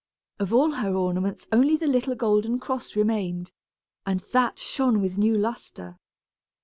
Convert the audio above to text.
Of all her ornaments only the little golden cross remained, and that shone with new lustre.